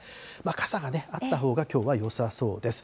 傘があったほうがきょうはよさそうです。